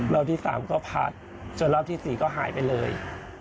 รอบที่๓ก็พัดจนรอบที่๔ก็หายไปเลย